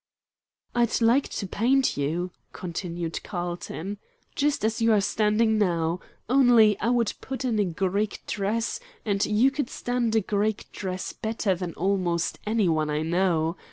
"I'd like to paint you," continued Carlton, "just as you are standing now, only I would put you in a Greek dress; and you could stand a Greek dress better than almost any one I know.